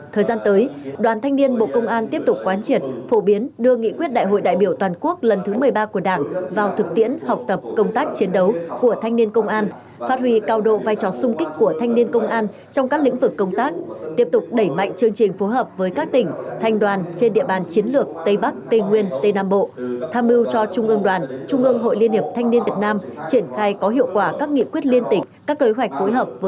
thời gian tới đoàn thanh niên bộ công an tiếp tục quán triển phổ biến đưa nghị quyết đại hội đại biểu toàn quốc lần thứ một mươi ba của đảng vào thực tiễn học tập công tác chiến đấu của thanh niên công an phát huy cao độ vai trò xung kích của thanh niên công an trong các lĩnh vực công tác tiếp tục đẩy mạnh chương trình phù hợp với các tỉnh thanh đoàn trên địa bàn chiến lược tây bắc tây nguyên tây nam bộ tham mưu cho trung ương đoàn trung ương hội liên hiệp thanh niên việt nam triển khai có hiệu quả các nghị quyết liên tịch các kế ho